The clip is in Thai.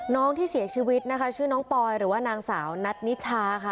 น้องที่เสียชีวิตนะคะชื่อน้องปอยหรือว่านางสาวนัทนิชาค่ะ